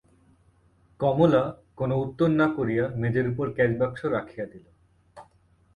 কমলা কোনো উত্তর না করিয়া মেজের উপর ক্যাশবাক্স রাখিয়া দিল।